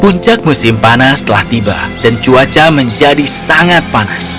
puncak musim panas telah tiba dan cuaca menjadi sangat panas